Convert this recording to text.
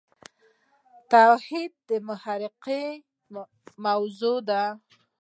توحيد محراقي موضوع ده.